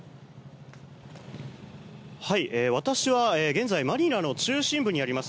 私は、現在マニラの中心部にあります